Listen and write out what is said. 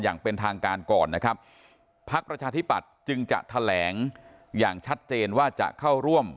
อย่างเป็นทางการก่อนนะครับพักประชาธิปัตย์จึงจะแถลงอย่างชัดเจนว่าจะเข้าร่วม